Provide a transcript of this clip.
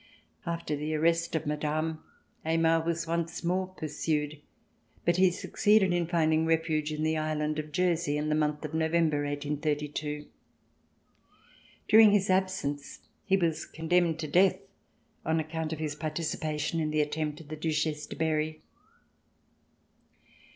After the arrest of Madame, Aymar was once more C409] RECOLLECTIONS OF THE REVOLUTION pursued, but he succeeded in finding refuge in the Island of Jersey in the month of November, 1832. During his absence, he was condemned to death on account of his participation in the attempt of the Duchesse de Berry.